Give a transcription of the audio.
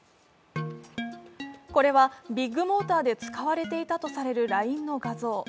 これはビッグモーターで使われていたとされるＬＩＮＥの画像。